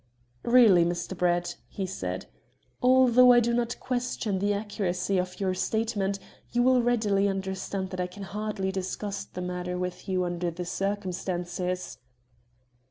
"Really, Mr. Brett," he said, "although I do not question the accuracy of your statement, you will readily understand that I can hardly discuss the matter with you under the circumstances."